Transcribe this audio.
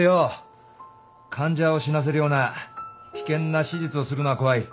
患者を死なせるような危険な手術をするのは怖い。